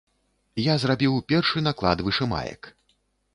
Я зрабіў першы наклад вышымаек.